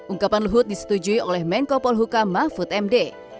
ungkapan luhut disetujui oleh menko polhuka mahfud md